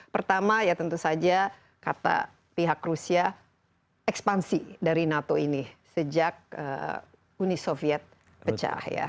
pertama ya tentu saja kata pihak rusia ekspansi dari nato ini sejak uni soviet pecah ya